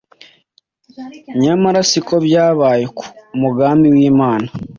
nyamara si ko byabaye ku mugambi w’Imana.